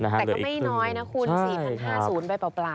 แต่ก็ไม่น้อยนะคุณ๔๐๕๐๐บาทศูนย์ไปเปล่า